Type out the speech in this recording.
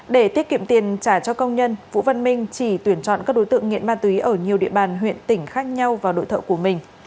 để tiết kiệm tiền trả cho công nhân vũ văn minh chỉ tuyển chọn các đối tượng nghiện ma túy ở nhiều địa bàn huyện tỉnh khác nhau vào đội thợ của mình